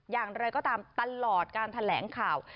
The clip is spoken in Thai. อย่างไรก็ตามตลอดการแถลงข่าว